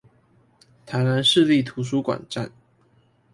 台南市立圖書館站